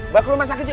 bakul rumah sakit yuk